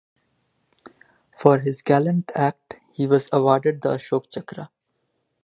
For his gallant act he was awarded Ashoka Chakra.